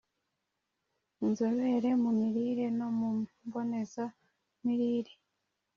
Inzobere mu mirire no mu mboneza mirire